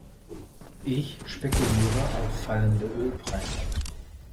Ich spekuliere auf fallende Ölpreise.